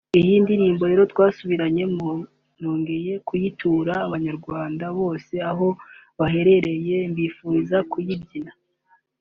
Iyi ndirimbo rero twasubiranyemo nongeye kuyitura abanyarwanda bose aho baherereye mbifuriza kuyibyina